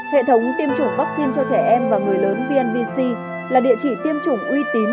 hệ thống tiêm chủng vaccine cho trẻ em và người lớn vnvc là địa chỉ tiêm chủng uy tín